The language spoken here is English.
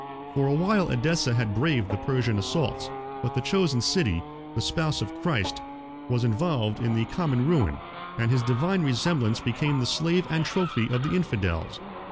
1511 For a while Edessa had braved the Persian assaults; but the chosen city, the spouse of Christ, was involved in the common ruin; and his divine resemblance became the slave and trophy of the infidels.